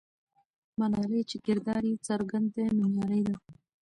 ملالۍ چې کردار یې څرګند دی، نومیالۍ ده.